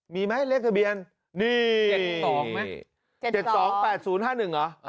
มีไหมเลขทะเบียนนี่เจ็ดสองไหมเจ็ดสองแปดศูนย์ห้าหนึ่งเหรอ